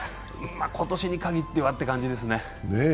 今年に限ってはって感じですね。